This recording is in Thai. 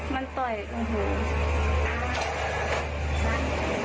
มันต่อยโอ้โห